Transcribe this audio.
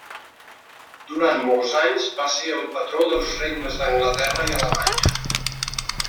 Durant molts anys va ser el patró dels regnes d'Anglaterra i Alemanya.